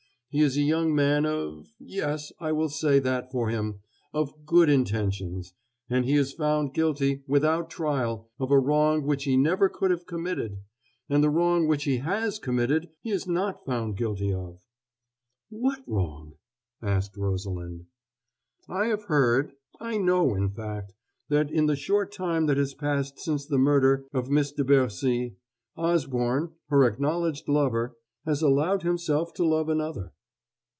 He is a young man of yes, I will say that for him of good intentions; and he is found guilty, without trial, of a wrong which he never could have committed and the wrong which he has committed he is not found guilty of." "What wrong?" asked Rosalind. "I have heard I know, in fact that in the short time that has passed since the murder of Miss de Bercy, Osborne, her acknowledged lover, has allowed himself to love another."